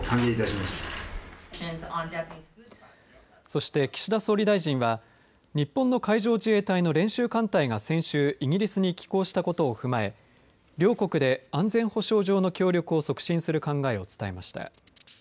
そして、岸田総理大臣は日本の海上自衛隊の練習艦隊が先週イギリスに寄港したことを踏まえ両国で安全保障上の協力を促進する考えを伝えました。